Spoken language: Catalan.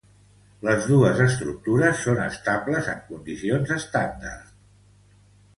Les dos estructures són estables en condicions estàndard.